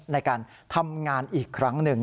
ในการทำงานอีกครั้งหนึ่ง